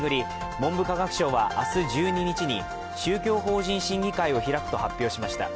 文部科学省は明日１２日に、宗教法人審議会を開くと発表しました。